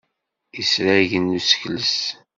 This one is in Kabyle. Isragen n usekles.